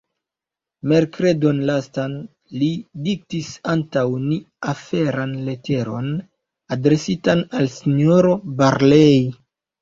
Merkredon lastan, li diktis antaŭ ni aferan leteron adresitan al S-ro Barlei.